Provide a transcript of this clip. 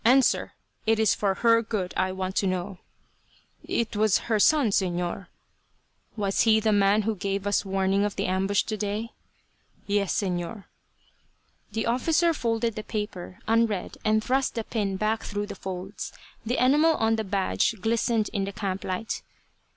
Answer. It is for her good I want to know." "It was her son, Señor." "Was he the man who gave us warning of the ambush today?" "Yes, Señor." The officer folded the paper, unread, and thrust the pin back through the folds. The enamel on the badge glistened in the camp light.